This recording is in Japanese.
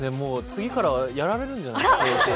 次からはやられるんじゃないですか。